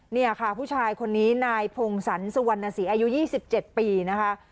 นี่ค่ะผู้ชายคนนี้นายพงศรสุวรรณสีอายุ๒๗ปีนะคะ